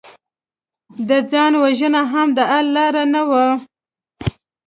د ځان وژنه هم د حل لاره نه وه